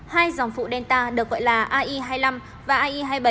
hai dòng phụ delta được gọi là ai hai mươi năm và ie hai mươi bảy